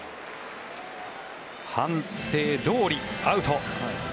判定どおりアウト。